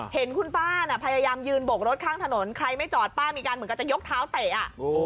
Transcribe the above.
เห็นคุณป้าน่ะพยายามยืนบกรถข้างถนนใครไม่จอดป้ามีการเหมือนกันจะยกเท้าเตะอ่ะ